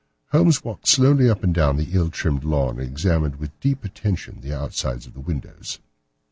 Holmes walked slowly up and down the ill trimmed lawn and examined with deep attention the outsides of the windows.